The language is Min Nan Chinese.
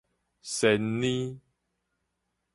蟬蠳